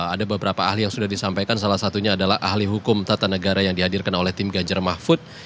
ada beberapa ahli yang sudah disampaikan salah satunya adalah ahli hukum tata negara yang dihadirkan oleh tim ganjar mahfud